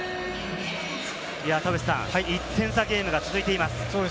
田臥さん、１点差ゲームが続いています。